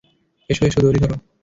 এসো, এসো, দঁড়ি ধরো।